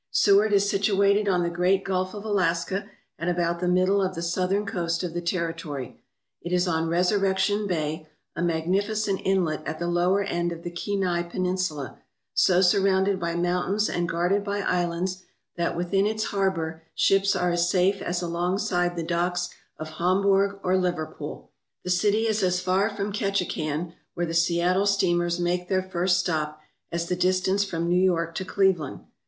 Seward is situated on the great Gulf of Alaska at about the middle of the southern coast of the territory. It is on Resurrection Bay, a magnificent inlet at the lower end of the Kenai Peninsula, so surrounded by mountains and guarded by islands that within its harbour ships are as safe as alongside the docks of Hamburg or Liverpool. The city is as far from Ketchikan, where the Seattle steamers make their first stop, as the distance from New York to Cleveland.